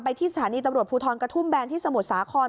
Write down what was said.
ที่สถานีตำรวจภูทรกระทุ่มแบนที่สมุทรสาคร